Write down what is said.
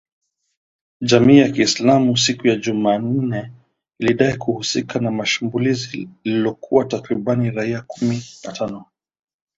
Jamii ya kiislamu siku ya Jumanne lilidai kuhusika na shambulizi lililoua takribani raia kumi na tano